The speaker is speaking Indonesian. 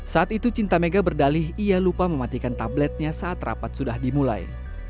saat itu cinta mega berdalih ia lupa mematikan tabletnya saat rapat sudah dimulai